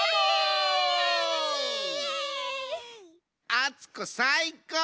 あつこさいこう！